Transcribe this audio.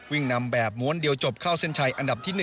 วิ่งนำแบบม้วนเดียวจบเข้าเส้นชัยอันดับที่๑